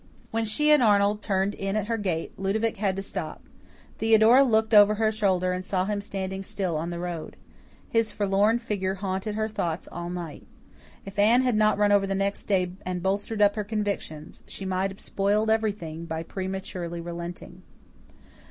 When she and Arnold turned in at her gate, Ludovic had to stop. Theodora looked over her shoulder and saw him standing still on the road. His forlorn figure haunted her thoughts all night. If Anne had not run over the next day and bolstered up her convictions, she might have spoiled everything by prematurely relenting.